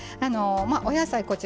お野菜こちらね